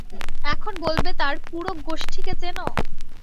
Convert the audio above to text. এখন বলবে তার পুরো গোষ্ঠীকে চেনো?